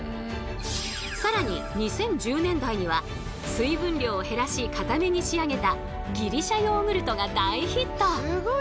更に２０１０年代には水分量を減らしかために仕上げたギリシャヨーグルトが大ヒット。